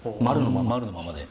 丸のままで。